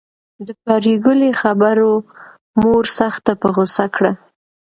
د پري ګلې خبرو مور سخته په غصه کړه